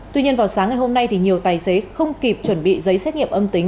tuy nhiên vào sáng ngày hôm nay thì nhiều tài xế không kịp chuẩn bị giấy xét nghiệm âm tính